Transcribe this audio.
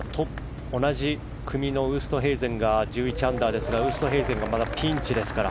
同じ組のウーストヘイゼンが１１アンダーですがウーストヘイゼンはまだピンチですから。